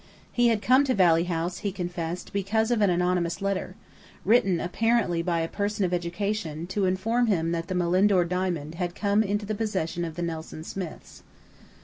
He had come to Valley House, he confessed, because of an anonymous letter, written apparently by a person of education, to inform him that the Malindore diamond had come into the possession of the Nelson Smiths.